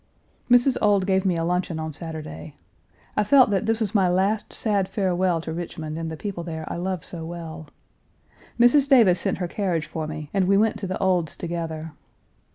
Mrs. Ould gave me a luncheon on Saturday. I felt that this was my last sad farewell to Richmond and the people there I love so well. Mrs. Davis sent her carriage for me, and we went to the Oulds' together.